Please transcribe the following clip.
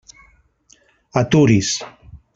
Aturi's!